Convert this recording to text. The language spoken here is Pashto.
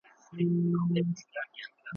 هره ورځ ورته اختر کی هره شپه یې برات غواړم ,